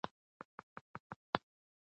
غلاوې ډیریږي.